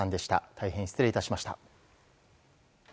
大変失礼致しました。